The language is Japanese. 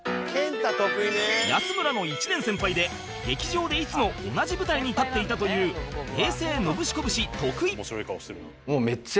安村の１年先輩で劇場でいつも同じ舞台に立っていたという平成ノブシコブシ徳井